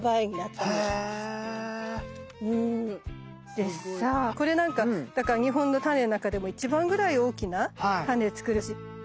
でさあこれなんか日本のタネの中でも一番ぐらい大きなタネ作るし。